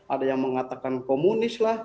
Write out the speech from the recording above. ada yang mengatakan komunis lah